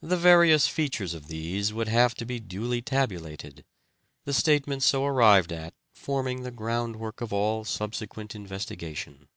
The various features of these would have to be duly tabulated, the statement so arrived at forming the groundwork of all subsequent investigation.